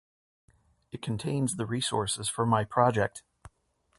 It contains the resources for my project